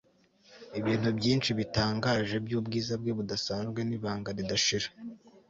ibintu byinshi bitangaje byubwiza bwe budasanzwe nibanga ridashira